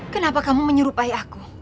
kenapa kamu menyerupai aku